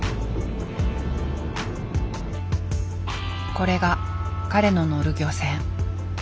これが彼の乗る漁船。